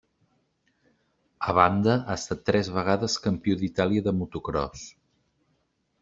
A banda, ha estat tres vegades Campió d'Itàlia de motocròs.